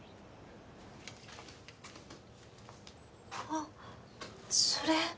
あっそれ。